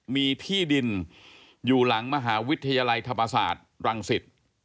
มีที่ดินอยู่หลังมหาวิทยาลัยธรรมศาสตร์รังสิต